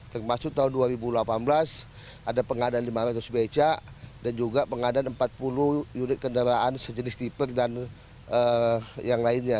termasuk tahun dua ribu delapan belas ada pengadaan lima ratus becak dan juga pengadaan empat puluh unit kendaraan sejenis tipe dan yang lainnya